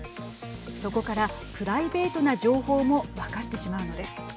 そこからプライベートな情報も分かってしまうのです。